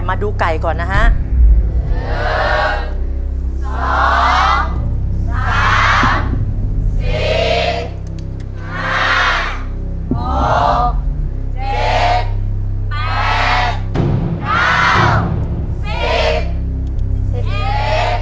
มาดูไก่ก่อนนะฮะสิบสองสามสี่ห้าหก